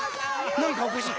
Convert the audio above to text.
何かおかしい！